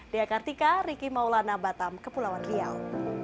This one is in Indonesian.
di akartika riki maulana batam kepulauan liau